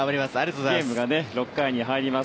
ゲームは６回に入ります。